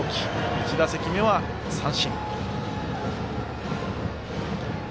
１打席目は三振。